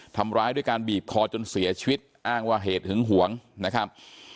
ทำร้ายด้วยการบีบคอจนเสียชีวิตอ้างว่าเหตุหึงหวงนะครับ